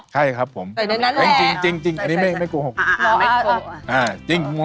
เราเอาปลาดูกใส่ไปเลยหรือเปล่าคะ